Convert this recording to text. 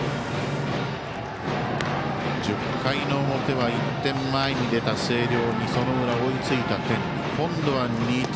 １０回の表は１点前に出た星稜にその裏、追いついた天理。